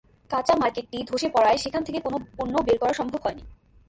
কাঁচা মার্কেটটি ধসে পড়ায় সেখান থেকে কোনো পণ্য বের করা সম্ভব হয়নি।